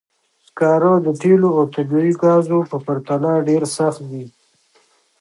سکاره د تېلو او طبیعي ګازو په پرتله ډېر سخت دي.